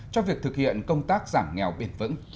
cho việc thực hiện công tác giảm nghèo bền vững